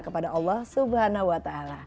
kepada allah swt